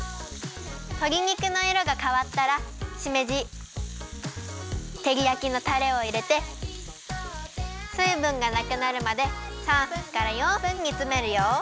とり肉のいろがかわったらしめじてりやきのたれをいれてすいぶんがなくなるまで３分から４分につめるよ。